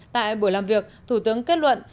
tại buổi làm việc thủ tướng kết luận